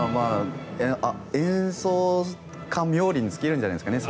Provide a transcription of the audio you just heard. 演奏家冥利に尽きるんじゃないですかね。